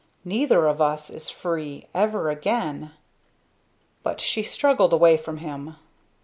Neither of us is free ever again." But she struggled away from him.